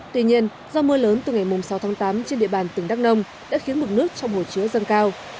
tuy nhiên do mưa lớn từ ngày sáu tháng tám trên địa bàn tỉnh đắk nông đã khiến mực nước trong hồ chứa dâng cao